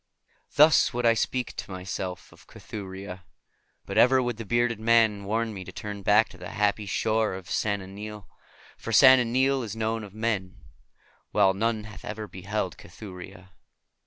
Thus would I speak to myself of Cathuria, but ever would the bearded man warn me to turn back to the happy shores of Sona Nyl; for Sona Nyl is known of men, while none hath ever beheld Cathuria.